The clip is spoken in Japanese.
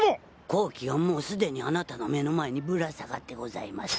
好機はもうすでにあなたの目の前にぶら下がってございます。